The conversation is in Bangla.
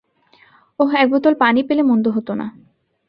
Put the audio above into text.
ওহ, এক বোতল পানি পেলে মন্দ হতো না।